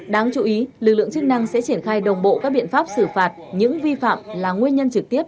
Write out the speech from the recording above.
đáng chú ý lực lượng chức năng sẽ triển khai đồng bộ các biện pháp xử phạt những vi phạm là nguyên nhân trực tiếp